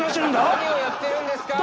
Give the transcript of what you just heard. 何をやってるんですか？